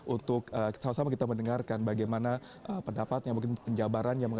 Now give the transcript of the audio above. untuk sama sama kita mendengarkan bagaimana pendapatnya mungkin penjabarannya